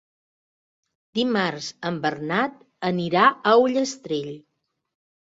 Dimarts en Bernat anirà a Ullastrell.